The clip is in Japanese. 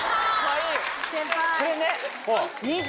それね。